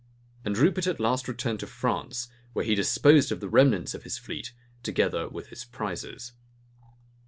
And Rupert at last returned to France, where he disposed of the remnants of his fleet, together with his prizes.